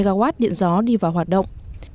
khoảng hơn một mw điện gió đi vào hoạt động